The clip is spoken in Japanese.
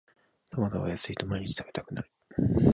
トマトが安いと毎日食べたくなる